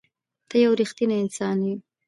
ته یو رښتنی انسان یې.